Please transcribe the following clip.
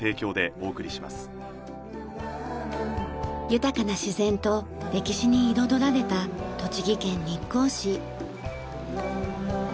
豊かな自然と歴史に彩られた栃木県日光市。